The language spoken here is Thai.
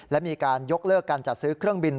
และมีการยกเลิกการจัดซื้อเครื่องบิน